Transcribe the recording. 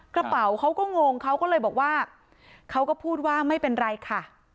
กระเป๋าเขาก็งงเขาก็เลยบอกว่าเขาก็พูดว่าไม่เป็นไรค่ะ